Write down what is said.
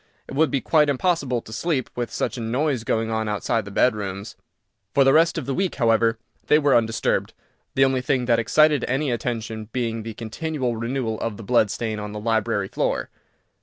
It would be quite impossible to sleep, with such a noise going on outside the bedrooms." For the rest of the week, however, they were undisturbed, the only thing that excited any attention being the continual renewal of the blood stain on the library floor.